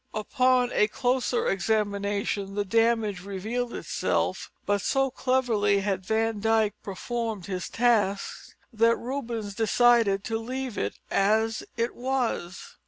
Upon a closer examination the damage revealed itself, but so cleverly had Van Dyck performed his task that Rubens decided to leave it as it was.